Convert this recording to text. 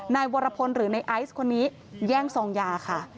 นายวรพลหรือในไอซ์คนนี้แย่งซองยาค่ะ